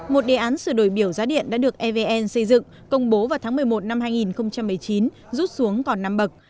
một đề án sửa đổi biểu giá điện đã được evn xây dựng công bố vào tháng một mươi một năm hai nghìn một mươi chín rút xuống còn năm bậc